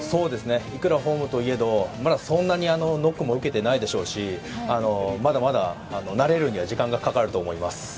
いくらホームといえどまだそんなにノックも受けていないでしょうしまだまだ慣れるには時間がかかると思います。